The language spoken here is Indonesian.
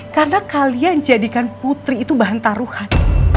karena kalian jadikan putri itu bahan taruhan